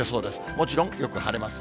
もちろんよく晴れます。